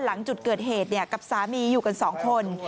หลังจุดเกิดเหตุกับสามีอยู่กันสองคน